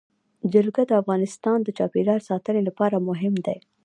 جلګه د افغانستان د چاپیریال ساتنې لپاره مهم دي.